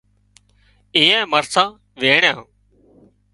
ايئانئي مرسان وينڻيان